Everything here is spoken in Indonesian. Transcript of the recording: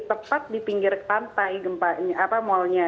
tepat di pinggir pantai malnya